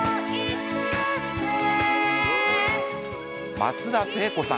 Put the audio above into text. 松田聖子さん